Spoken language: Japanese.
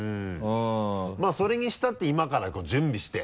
まぁそれにしたって今から準備して。